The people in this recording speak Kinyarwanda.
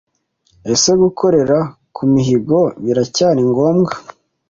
Ese gukorera ku mihigo biracyari ngombwa?